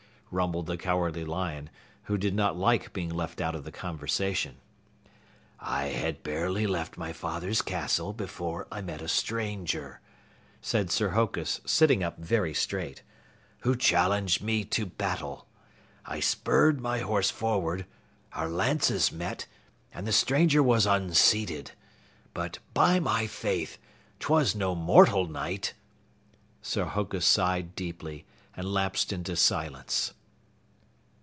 rumbled the Cowardly Lion, who did not like being left out of the conversation. "I had barely left my father's castle before I met a stranger," said Sir Hokus, sitting up very straight, "who challenged me to battle. I spurred my horse forward, our lances met, and the stranger was unseated. But by my faith, 'twas no mortal Knight." Sir Hokus sighed deeply and lapsed into silence.